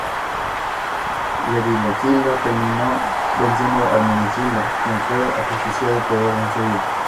Leovigildo terminó venciendo a Hermenegildo, quien fue ajusticiado por orden suya.